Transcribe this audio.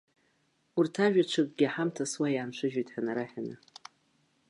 Урҭ ажәаҽыкгьы ҳамҭас уа иааншәыжьуеит ҳәа нараҳәаны.